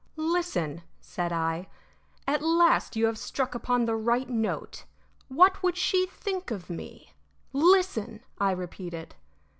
"Listen," said I. "At last you have struck upon the right note. What would she think of me? Listen," I repeated.